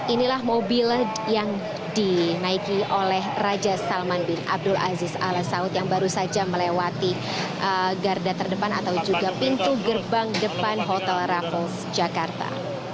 inilah mobil yang dinaiki oleh raja salman bin abdul aziz al saud yang baru saja melewati garda terdepan atau juga pintu gerbang depan hotel raffles jakarta